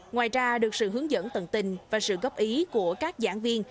ngoài ra được sự hướng dẫn tận tình và sự góp ý của các giảng viên